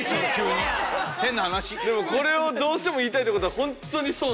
でもこれをどうしても言いたいって事はホントにそうなんやね。